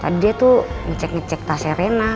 tadi dia tuh ngecek ngecek tas serena